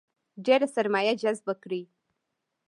ډېره سرمایه جذبه کړي.